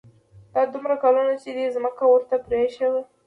دا دومره کلونه چې دې ځمکه ورته پرېښې وه.